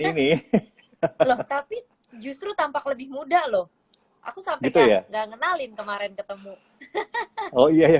ini tapi justru tampak lebih muda loh aku sampai itu ya enggak ngenalin kemarin ketemu oh iya ya